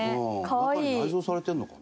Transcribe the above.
中に内蔵されてるのかな？